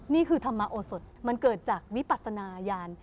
นี่คือธรรมโอสดมันเกิดจากวิปัสนายาน